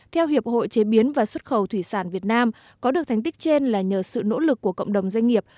theo hiệp hội chế biến và xuất khẩu thủy sản việt nam có được thành tích trên là nhờ sự nỗ lực của cộng đồng doanh nghiệp